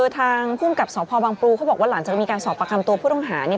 ตราดเป็นอย่างไรตราดอย่างไร